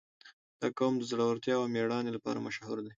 • دا قوم د زړورتیا او مېړانې لپاره مشهور دی.